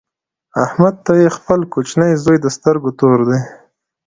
احمد ته یې خپل کوچنۍ زوی د سترګو تور دی.